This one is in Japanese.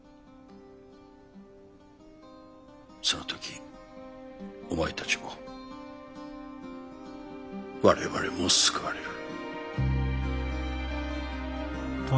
その時お前たちも我々も救われる。